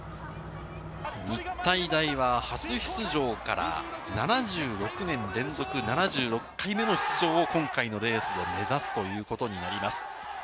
日体大は初出場から７６年連続７６回目の出場を今回のレースで目指すということになります。